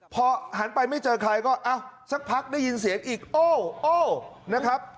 พอหันไปไม่เจอใครก็สักพักได้ยินเสียงอีกโอ้โอ้นะครับ